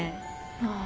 ああ